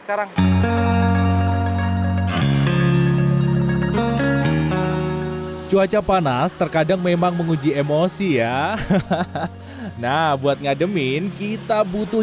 sekarang cuaca panas terkadang memang menguji emosi ya nah buat ngademin kita butuh